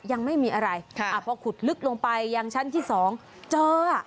ยังไม่มีอะไรพอขุดลึกลงไปยังชั้นที่สองเจอ